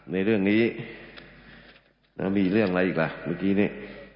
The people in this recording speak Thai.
ในเรื่องนี้แล้วมีเรื่องอะไรอีกล่ะเมื่อกี้นี่